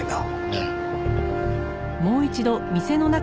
ええ。